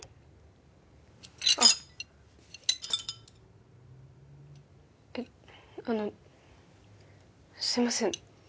あえっあのすいません